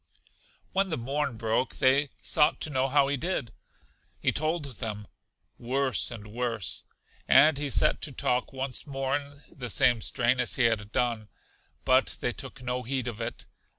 When the morn broke, they sought to know how he did? He told them, Worse and worse; and he set to talk once more in the same strain as he had done; but they took no heed of it.